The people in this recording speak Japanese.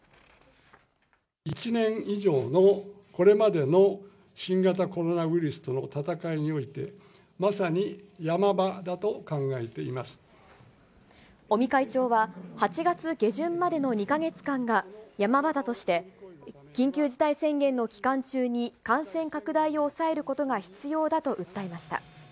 １年以上のこれまでの新型コロナウイルスとの闘いにおいて、尾身会長は、８月下旬までの２か月間がヤマ場だとして、緊急事態宣言の期間中に、感染拡大を抑えることが必要だと訴えました。